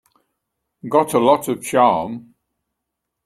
Got a lot of charm.